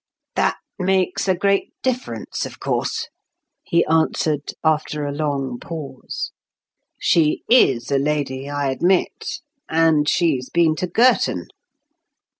"That makes a great difference, of course," he answered, after a long pause. "She is a lady, I admit. And she's been to Girton."